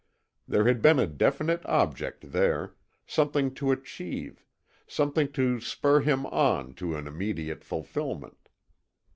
There had been a definite object there, something to achieve, something to spur him on to an immediate fulfilment.